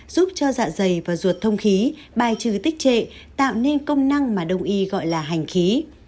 giúp cho dạ dày và ruột thông khí bài trừ tích trệ tạo nên công năng mà đông y gọi là hành khí